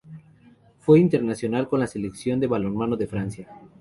Fue internacional con la Selección de balonmano de Francia.